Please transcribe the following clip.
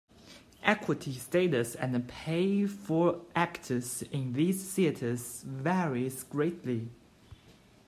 Equity status and pay for actors in these theatres varies greatly.